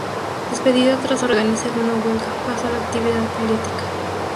Despedido tras organizar una huelga, pasó a la actividad política.